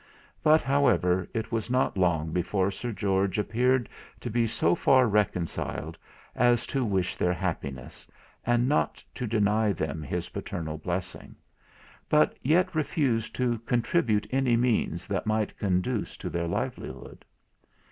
But, however, it was not long before Sir George appeared to be so far reconciled as to wish their happiness, and not to deny them his paternal blessing, but yet refused to contribute any means that might conduce to their livelihood.